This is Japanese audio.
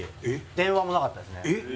電話もなかったです